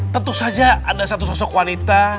tentu saja ada satu sosok wanita